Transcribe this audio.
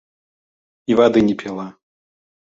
І вады не піла.